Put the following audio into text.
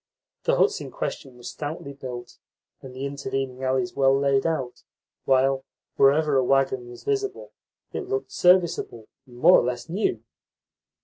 The huts in question were stoutly built and the intervening alleys well laid out; while, wherever a waggon was visible, it looked serviceable and more or less new.